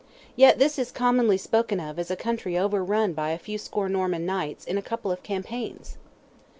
Yet this is commonly spoken of as a country overrun by a few score Norman Knights, in a couple of campaigns!